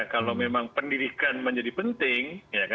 kalau memang pendidikan menjadi penting